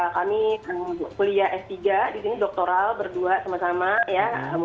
kami kuliah s tiga di sini doktoral berdua sama sama ya